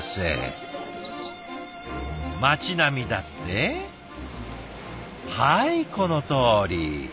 街並みだってはいこのとおり。